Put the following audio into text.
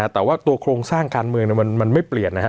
แต่ว่าตัวโครงสร้างการเมืองมันไม่เปลี่ยนนะครับ